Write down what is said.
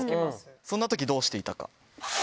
そんなときどうしていたか。